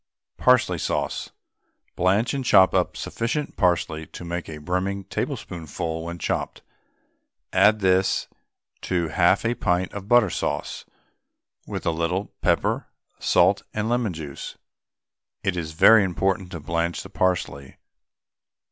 PARSLEY SAUCE. Blanch and chop up sufficient parsley to make a brimming tablespoonful when chopped. Add this to half a pint of butter sauce, with a little pepper, salt, and lemon juice. It is very important to blanch the parsley, _i.